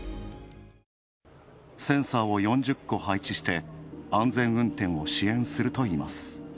センサーを４０個配置して、安全運転を支援するといいます。